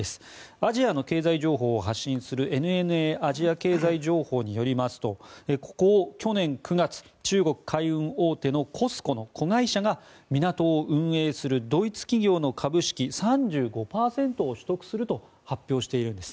アジアの経済情報を発信するＮＮＡアジア経済情報によりますとここを去年９月、中国海運大手のＣＯＳＣＯの子会社が港を運営するドイツ企業の株式３５％を取得すると発表しているんです。